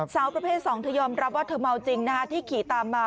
สาวประเภท๒เธอยอมรับว่าเธอเมาจริงที่ขี่ตามมา